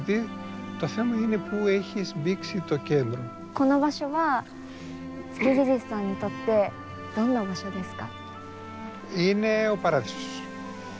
この場所はツキジジスさんにとってどんな場所ですか？